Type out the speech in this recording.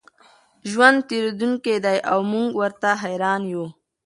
ژوند تېرېدونکی دی او موږ ورته حېران یو.